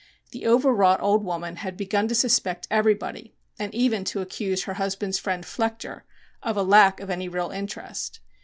The overwrought old woman had begun to suspect everybody, and even to accuse her husband's friend, Flechter, of a lack of any real interest.